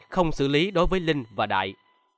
không xử lý đối với linh và đại